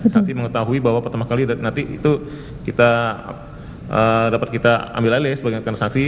saksi mengetahui bahwa pertama kali nanti itu kita dapat kita ambil alih sebagai transaksi